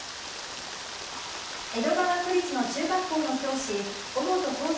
江戸川区立の中学校の教師尾本幸祐